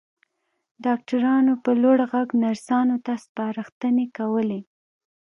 ډاکټرانو په لوړ غږ نرسانو ته سپارښتنې کولې.